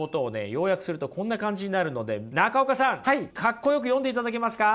要約するとこんな感じになるので中岡さんかっこよく読んでいただけますか？